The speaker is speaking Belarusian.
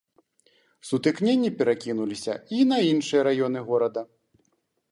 Сутыкненні перакінуліся і на іншыя раёны горада.